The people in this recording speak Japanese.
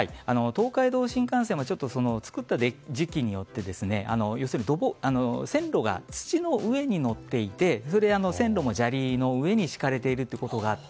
東海道新幹線は造った時期によって線路が土の上に乗っていて線路も砂利の上に敷かれているということがあって